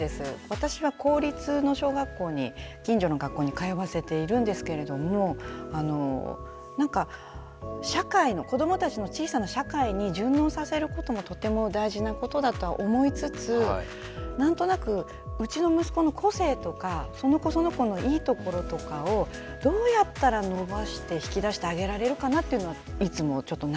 私は公立の小学校に近所の学校に通わせているんですけれどもなんか社会の子どもたちの小さな社会に順応させることもとても大事なことだとは思いつつ何となくうちの息子の個性とかその子その子のいいところとかをどうやったら伸ばして引き出してあげられるかなっていうのはいつもちょっと悩んでいますね。